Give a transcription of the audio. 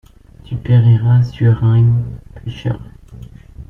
Tu périras sur ung buscher...